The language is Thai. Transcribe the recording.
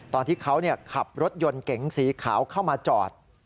ตอนที่เขาขับรถยนต์เก๋งสีขาวเข้ามาจอด